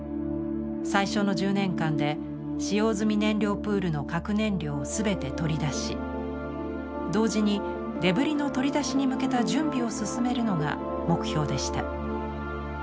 最初の１０年間で使用済み燃料プールの核燃料を全て取り出し同時にデブリの取り出しに向けた準備を進めるのが目標でした。